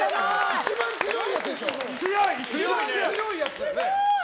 一番強いやつだよね。